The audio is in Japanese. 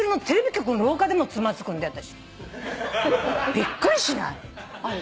びっくりしない？